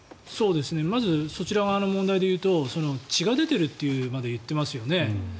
まずそちら側の問題でいうと血が出ているとまで言っていますよね。